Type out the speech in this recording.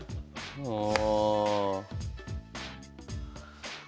ああ。